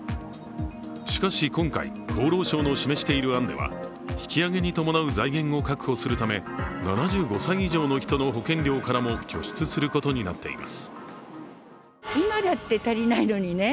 しかし、今回、厚労省の示している案では、引き上げに伴う財源を確保するため７５歳以上の人の保険料からも拠出することになっています。